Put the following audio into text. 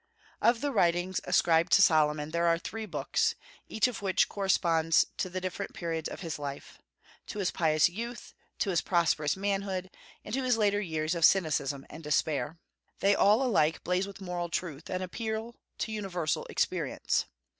Of the writings ascribed to Solomon, there are three books, each of which corresponds to the different periods of his life, to his pious youth, to his prosperous manhood, and to his later years of cynicism and despair. They all alike blaze with moral truth, and appeal to universal experience.